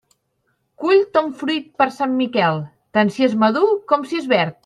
Cull ton fruit per Sant Miquel, tant si és madur com si és verd.